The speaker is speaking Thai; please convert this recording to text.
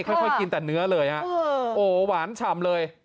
ค่อยกินแต่เนื้อเลยฮะโอ้หวานฉ่ำเลย